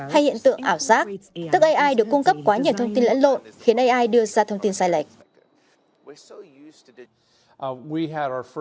hay hiện tượng ảo giác tức ai được cung cấp quá nhiều thông tin lẫn lộn khiến ai đưa ra thông tin sai lệch